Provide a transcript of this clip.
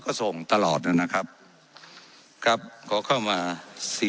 เจ้าหน้าที่ของรัฐมันก็เป็นผู้ใต้มิชชาท่านนมตรี